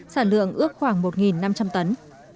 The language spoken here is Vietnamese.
sản lượng ước khoảng một năm trăm linh tấn